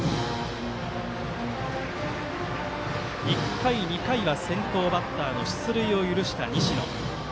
１回、２回は先頭バッターの出塁を許した西野。